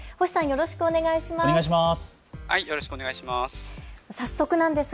よろしくお願いします。